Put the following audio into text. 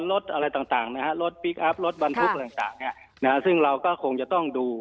รถอะไรต่างนะฮะรถพลิกอัพรถบรรทุกอะไรต่างซึ่งเราก็คงจะต้องดู